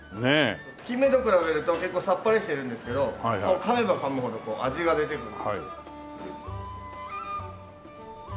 キンメと比べると結構さっぱりしてるんですけど噛めば噛むほど味が出てくる。